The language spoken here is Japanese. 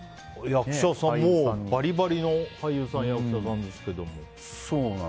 もうバリバリの俳優さん、役者さんですけど。